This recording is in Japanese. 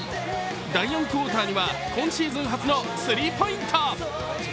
第４クオーターには今シーズン初のスリーポイント。